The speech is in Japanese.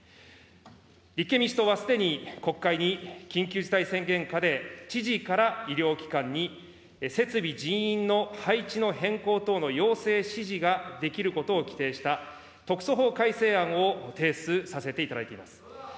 立憲民主党はすでに国会に緊急事態宣言下で知事から医療機関に設備、人員の配置の変更等の要請指示ができることを規定した特措法改正案を提出させていただいています。